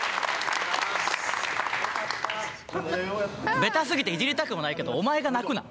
ベタすぎてイジりたくもないけどお前が泣くな。